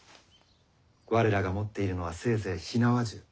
我らが持っているのはせいぜい火縄銃。